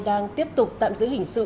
đang tiếp tục tạm giữ hình sự